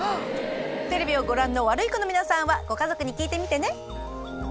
テレビをご覧のワルイコの皆さんはご家族に聞いてみてね。